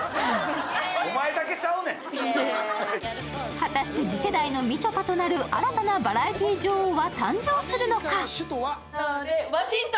果たして次世代のみちょぱとなる新たなバラエティ女王は誕生するのか。